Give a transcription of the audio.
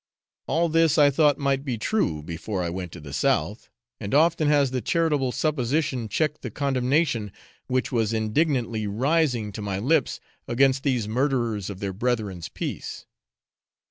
All this I thought might be true, before I went to the south, and often has the charitable supposition checked the condemnation which was indignantly rising to my lips against these murderers of their brethren's peace.